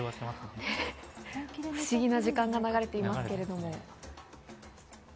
不思議な時間が流れていますけれども。